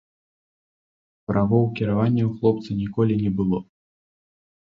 Правоў кіравання ў хлопца ніколі не было.